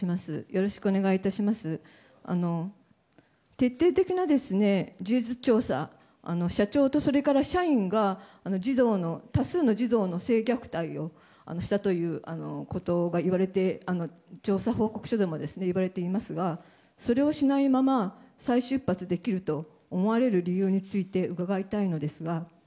徹底的な事実調査社長とそれから社員が多数の児童の性虐待をしたということが調査報告書でもいわれていますがそれをしないまま再出発できると思われる理由について伺いたいのですが。